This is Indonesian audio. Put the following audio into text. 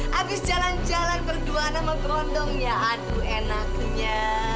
habis jalan jalan berdua nama berontong ya aduh enaknya